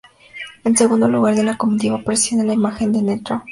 En segundo lugar de la comitiva procesiona la imagen de Ntro.